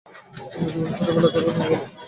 অন্য জীবনের ছোটবেলার কথা তুমি বল।